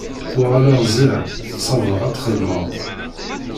Uɣaleɣ ziɣ, ssawḍeɣ ad t-xedmeɣ.